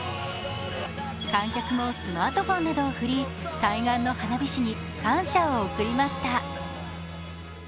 観客もスマートフォンなどを振り、対岸の花火師に感謝を送りました。